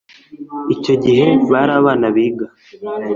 icyo gihe bari abana biga